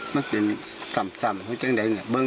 มันเป็นสำซำและจงใหญ่เหมือนกัน